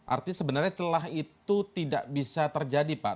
artinya sebenarnya celah itu tidak bisa terjadi pak